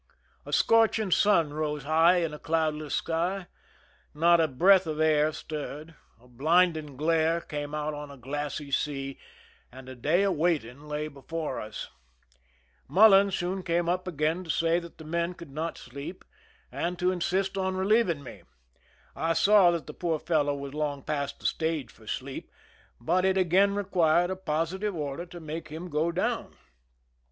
A scorching ,3un rose high in a cloudless sky ; not a breath of air stirred ; a blinding glare came out of a glassy sea, and a day of waiting lay before us. Mullen soon came up again to say that the men could not sleejt, and to insist on relieving me. I saw that the poor fellow was long past the stage for sleep, but it again required a positive order to make him go down.